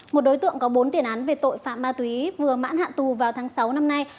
một đối tượng có bốn tiền án về tội phạm ma túy vừa mãn hạn tù vào tháng sáu năm nay